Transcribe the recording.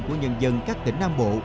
của nhân dân các tỉnh nam bộ